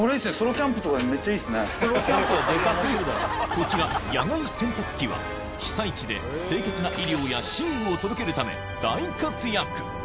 こちら野外洗濯機は被災地で清潔な衣料や寝具を届けるため大活躍